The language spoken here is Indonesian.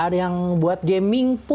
ada yang buat gaming